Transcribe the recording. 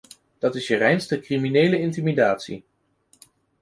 Dat is je reinste criminele intimidatie.